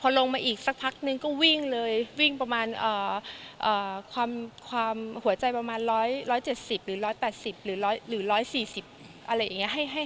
ลงมาอีกสักพักนึงก็วิ่งเลยวิ่งประมาณความหัวใจประมาณ๑๗๐หรือ๑๘๐หรือ๑๔๐อะไรอย่างนี้